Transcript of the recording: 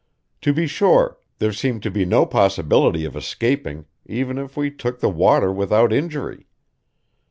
To be sure, there seemed to be no possibility of escaping, even if we took the water without injury.